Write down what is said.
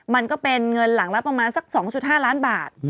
มันก็เป็นเงินหลังละประมาณสัก๒๕ล้านบาท